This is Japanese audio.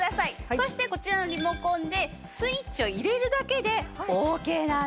そしてこちらのリモコンでスイッチを入れるだけでオーケーなんです。